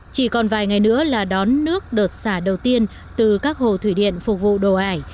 chỉ còn vài ngày nữa là đón nước đợt xả đầu tiên từ các hồ thủy điện phục vụ đồ ải